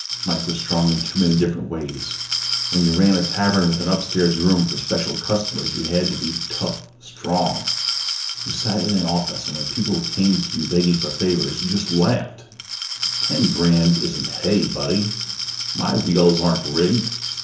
Mike was strong in too many different ways. When you ran a tavern with an upstairs room for special customers you had to be tough, strong. You sat in an office and when people came to you begging for favors you just laughed. Ten grand isn't hay, buddy! My wheels aren't rigged.